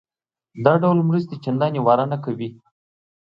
دا ډول مرستې چندانې واره نه کوي.